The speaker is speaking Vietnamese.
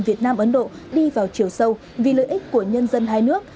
việt nam ấn độ đi vào chiều sâu vì lợi ích của nhân dân hai nước